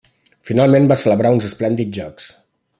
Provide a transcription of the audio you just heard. Finalment va celebrar uns esplèndids jocs.